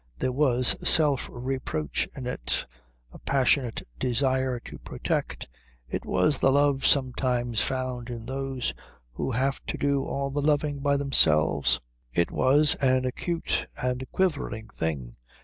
There was self reproach in it, a passionate desire to protect. It was the love sometimes found in those who have to do all the loving by themselves. It was an acute and quivering thing.